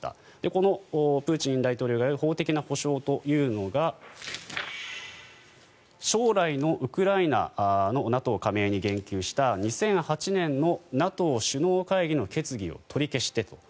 このプーチン大統領がいう法的な保証というのが将来のウクライナのＮＡＴＯ加盟に言及した２００８年のＮＡＴＯ首脳会議の決議を取り消してと。